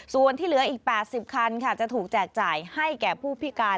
ส่วนที่เหลืออีก๘๐คันค่ะจะถูกแจกจ่ายให้แก่ผู้พิการ